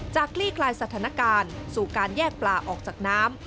คลี่คลายสถานการณ์สู่การแยกปลาออกจากน้ำ